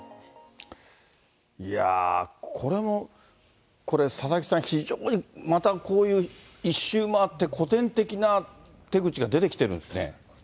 いやぁ、これもこれ、佐々木さん、非常にまたこういう、一周回って古典的な手口が出てきてるんですね。